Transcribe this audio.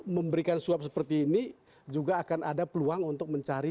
memberikan suap seperti ini juga akan ada peluang untuk mencari